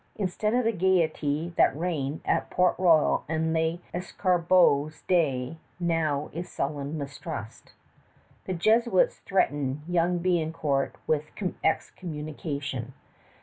Instead of the gayety that reigned at Port Royal in L'Escarbot's day, now is sullen mistrust. The Jesuits threaten young Biencourt with excommunication.